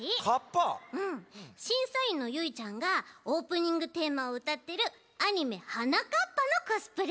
うん。しんさいんのゆいちゃんがオープニングテーマをうたってるアニメ「はなかっぱ」のコスプレだち。